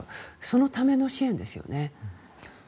そのための支援ですよね。